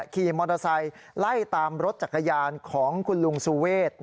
ขี่มอเตอร์ไซค์ไล่ตามรถจักรยานของคุณลุงสุเวท